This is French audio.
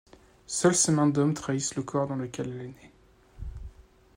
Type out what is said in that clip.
Seules ses mains d’homme trahissent le corps dans lequel elle est née.